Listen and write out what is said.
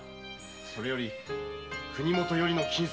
それより国元よりの金子